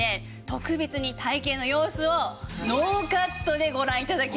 特別に体験の様子をノーカットでご覧頂きましょう。